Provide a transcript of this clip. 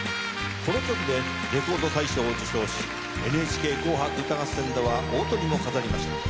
この曲でレコード大賞を受賞し『ＮＨＫ紅白歌合戦』では大トリも飾りました。